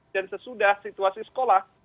dan sesudah situasi sekolah